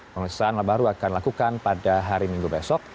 pemeriksaan baru akan dilakukan pada hari minggu besok